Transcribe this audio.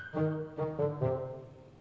tidak boleh energia